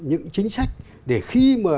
những chính sách để khi mà